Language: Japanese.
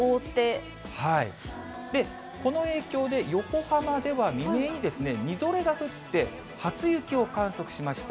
で、この影響で、横浜では未明にみぞれが降って、初雪を観測しました。